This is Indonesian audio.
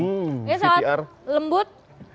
ini sangat lembut